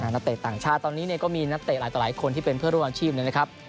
นักเตะต่างชาติตอนนี้ก็มีนักเตะหลายต่อหลายคนที่เป็นเพื่อนร่วมอาชีพนะครับ